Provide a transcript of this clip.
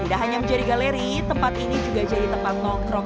tidak hanya menjadi galeri tempat ini juga jadi tempat untuk mencari barang barang